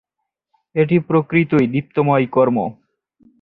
এটি প্রকৃতই দীপ্তময় কর্ম।